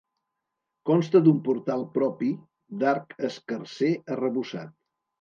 Consta d'un portal propi d'arc escarser arrebossat.